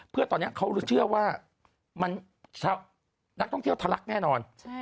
เพื่อตอนนี้เขาเชื่อว่านักท่องเที่ยวทะลักแน่นอน